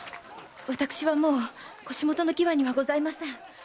私はもう腰元の喜和にはございません。